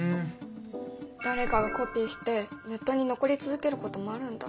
誰かがコピーしてネットに残り続けることもあるんだ。